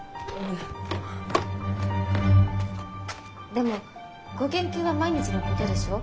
・でもご研究は毎日のことでしょう？